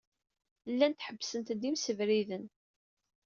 Llant ḥebbsent-d imsebriden.